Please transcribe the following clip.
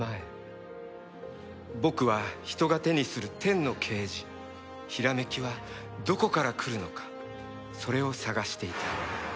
僕は人が手にする天の啓示ひらめきはどこからくるのかそれを探していた。